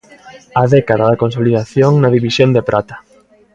A década da consolidación na división de prata.